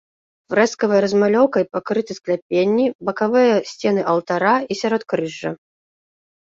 Фрэскавай размалёўкай пакрыты скляпенні, бакавыя сцены алтара і сяродкрыжжа.